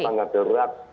kita masa tanggal darurat